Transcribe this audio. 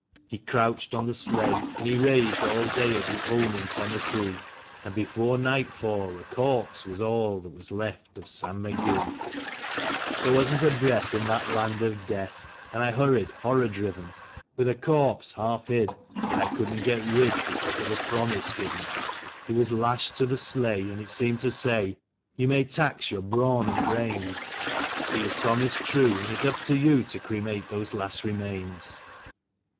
He crouched on the sleigh, and he raved all day of his home in Tennessee; And before nightfall a corpse was all that was left of Sam McGee. There wasn't a breath in that land of death, and I hurried, horror driven, With a corpse half hid that I couldn't get rid, because of a promise given; It was lashed to the sleigh, and it seemed to say :" You may tax your brawn and brains. But you promised true, and it's up to you to cremate those last remains."